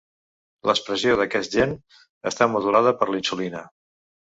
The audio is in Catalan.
L'expressió d'aquest gen està modulada per la insulina.